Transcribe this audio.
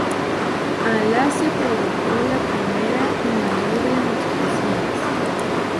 A las se provocó la primera y mayor de las explosiones.